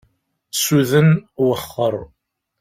Suden, wexxer.